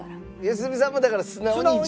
良純さんもだから素直に一番。